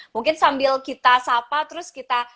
mungkin sambil kita sapa terus kita